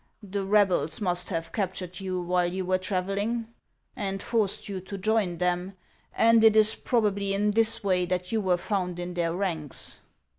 The rebels must have captured you while you were travelling, and forced you to join them, and it is probably in this way that you were found in their ranks."